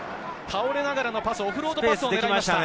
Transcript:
倒れながらのパス、オフロードパスを狙いました。